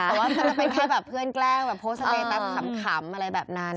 แต่ว่าเป็นแค่แบบเพื่อนแกล้งโพสต์ใต้ตามขำอะไรแบบนั้น